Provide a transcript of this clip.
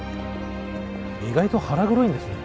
意外と腹黒いんですね